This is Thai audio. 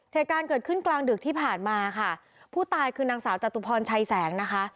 เหตุการณ์เกิดขึ้นกลางดึกที่ผ่านมาค่ะผู้ตายคือนางสาวจตุพรชัยแสงนะคะ